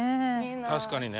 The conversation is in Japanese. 確かにね。